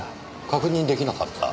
確認出来なかった？